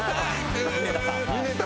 峯田さん。